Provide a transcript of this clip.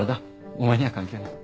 お前には関係ない。